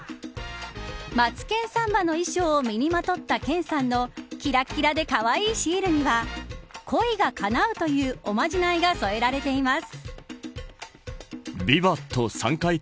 マツケンサンバの衣装を身にまとった健さんのきらきらでかわいいシールには恋がかなうというおまじないが添えられています。